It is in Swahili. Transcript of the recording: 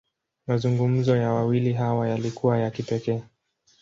Mazungumzo ya wawili hawa, yalikuwa ya kipekee.